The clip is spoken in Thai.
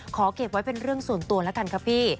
เก็บไว้เป็นเรื่องส่วนตัวแล้วกันครับพี่